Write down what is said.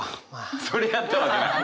「それやったわ」じゃない。